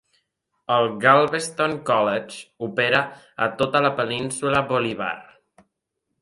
El Galveston College opera a tota la península Bolivar.